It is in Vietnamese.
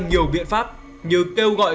nhiều biện pháp như kêu gọi